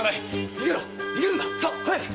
逃げろ逃げるんださあ早く‼